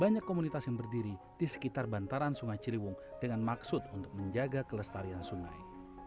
banyak komunitas yang berdiri di sekitar bantaran sungai ciliwung dengan maksud untuk menjaga kelestarian sungai